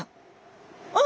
あ！